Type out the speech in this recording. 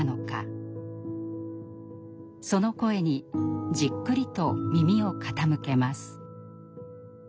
その声にじっくりと耳を傾けます。